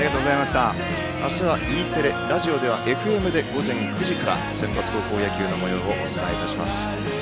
明日はＥテレ、ラジオではＦＭで午前９時からセンバツ高校野球のもようをお伝えいたします。